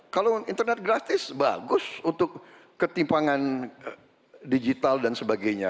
kalau internet gratis bagus untuk ketimbangan digital dan sebagainya